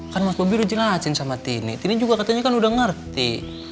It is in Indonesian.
kan mas bobi udah jelasin sama tini tini juga katanya kan udah ngerti